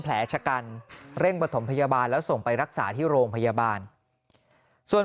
แผลชะกันเร่งประถมพยาบาลแล้วส่งไปรักษาที่โรงพยาบาลส่วน